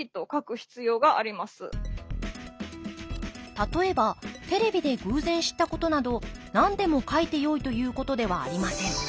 例えばテレビで偶然知ったことなど何でも書いてよいということではありません。